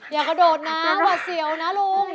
อย่ากระโดดนะหวัดเสียวนะลุง